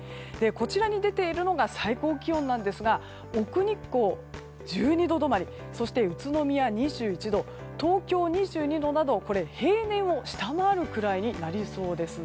こちらに出ているのが最高気温なんですが奥日光は１２度止まりそして宇都宮２１度東京２２度など、平年を下回るくらいになりそうです。